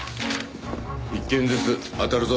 １件ずつあたるぞ。